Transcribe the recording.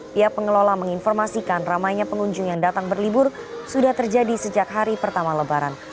pihak pengelola menginformasikan ramainya pengunjung yang datang berlibur sudah terjadi sejak hari pertama lebaran